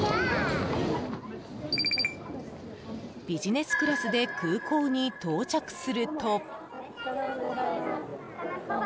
ビジネスクラスで空港に到着すると。